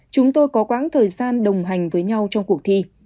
chúng tôi có quãng thời gian đồng hành với nhau trong cuộc thi